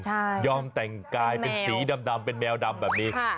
ใช่ยอมแต่งกายเป็นสีดำเป็นแมวดำแบบนี้ค่ะ